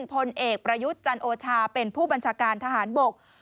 พลเอกประยุทธ์จันโอชาเป็นผู้บัญชาการทหารบก